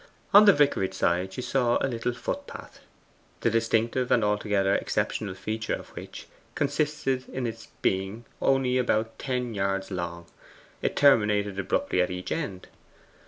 On the vicarage side she saw a little footpath, the distinctive and altogether exceptional feature of which consisted in its being only about ten yards long; it terminated abruptly at each end.